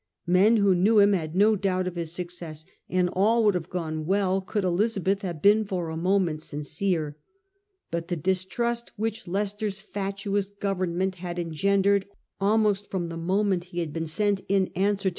Men who knew him had no doubt of his success, and all would have gone well could Elizabeth have been for a moment sincere. But the distrust which Leicester's fatuous government had engendered, almost from the moment he had been sent in answer to the 1 S, P.